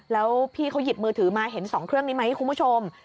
แล้วพี่เขาหยิบมือถือมาเห็น๒เครื่องนี้ไหมคุณผู้ชม